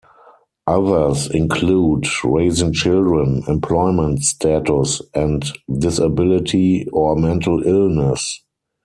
Others include raising children, employment status; and disability or mental illness.